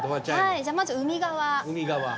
じゃあまず海側。